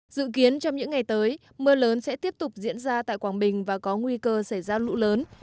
dự kiến trong những ngày tới mưa lớn sẽ tiếp tục diễn ra tại quảng bình và có nguy cơ xảy ra lũ lớn